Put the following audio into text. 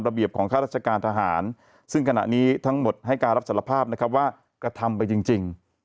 เบียบของข้าราชการทหารซึ่งขณะนี้ทั้งหมดให้การรับสารภาพนะครับว่ากระทำไปจริง